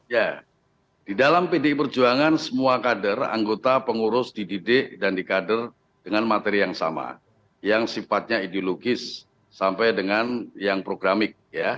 ya di dalam pdi perjuangan semua kader anggota pengurus dididik dan di kader dengan materi yang sama yang sifatnya ideologis sampai dengan yang programik